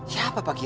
siapa pak kek